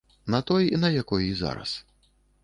На той, на якой і зараз.